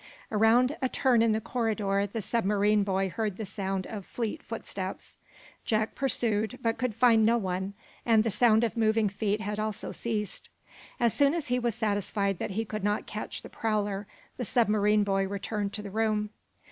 Around a turn in the corridor the submarine boy heard the sound of fleet footsteps. Jack pursued, but could find no one, and the sound of moving feet had also ceased. As soon as he was satisfied that he could not catch the prowler, the submarine boy returned to the room.